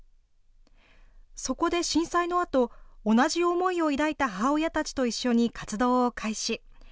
そこで震災のあと同じ思いを抱いた母親たちと一緒に活動を開始。